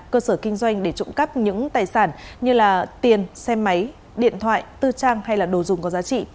cơ sở kinh doanh để trộm cắp những tài sản như tiền xe máy điện thoại tư trang hay là đồ dùng có giá trị